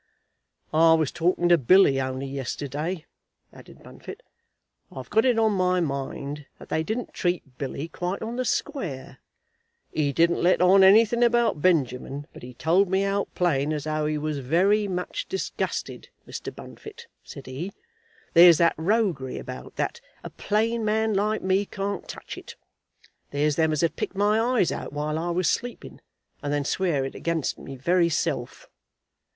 "I was talking to Billy only yesterday," added Bunfit. "I've got it on my mind that they didn't treat Billy quite on the square. He didn't let on anything about Benjamin; but he told me out plain, as how he was very much disgusted. 'Mr. Bunfit,' said he, 'there's that roguery about, that a plain man like me can't touch it. There's them as'd pick my eyes out while I was sleeping, and then swear it against my very self.'